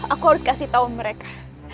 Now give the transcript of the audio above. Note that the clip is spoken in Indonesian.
aku harus kasih tahu mereka